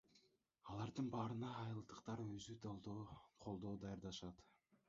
Алардын баарын айылдыктар өздөрү колдо даярдашат.